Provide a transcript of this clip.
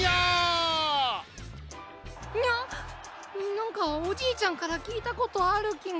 なんかおじいちゃんからきいたことあるきが。